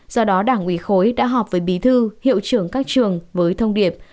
do đó đảng ủy khối đã họp với bí thư hiệu trưởng các trường với thông điệp